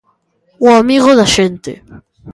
O amigo da xente.